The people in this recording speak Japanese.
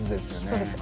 そうです。